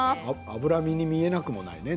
脂身に見えなくもないね